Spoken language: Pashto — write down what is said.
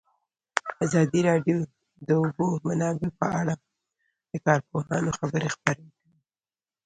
ازادي راډیو د د اوبو منابع په اړه د کارپوهانو خبرې خپرې کړي.